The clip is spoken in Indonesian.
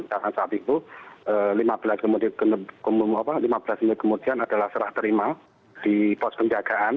karena saat itu lima belas menit kemudian adalah serah terima di pos penjagaan